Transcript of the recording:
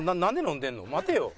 待てよ。